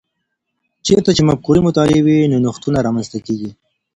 چیرته چي مفکورې مطالعې وي، نو نوښتونه رامنځته کیږي؟